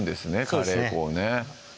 カレー粉をね